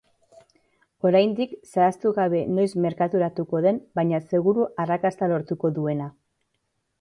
Oraindik, zehaztu gabe noiz merkaturako den baina seguru arrakasta lortuko duena.